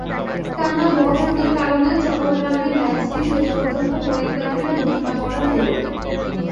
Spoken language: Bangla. টানা বর্ষণের কারণে চট্টগ্রামের ম্যাচটি শেষ পর্যন্ত পরিত্যক্তই ঘোষণা করা হলো।